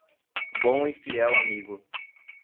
Bom e fiel amigo!